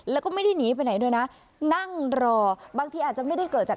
แล้วก็ไม่ได้หนีไปไหนด้วยนะนั่งรอบางทีอาจจะไม่ได้เกิดจาก